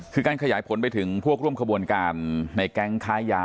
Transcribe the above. คือการขยายผลไปถึงพวกร่วมขบวนการในแก๊งค้ายา